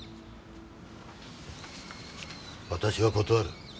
私は断る。